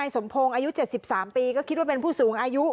สมพงศ์อายุ๗๓ปีก็คิดว่าเป็นผู้สูงอายุ